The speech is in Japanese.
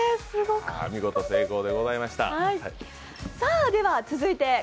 見事成功でございました。